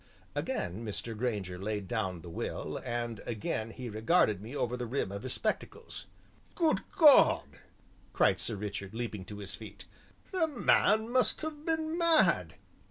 '" Again Mr. Grainger laid down the will, and again he regarded me over the rim of his spectacles. "Good God!" cried Sir Richard, leaping to his feet, "the man must have been mad.